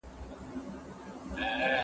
زه به اوږده موده پاکوالي ساتلي وم!؟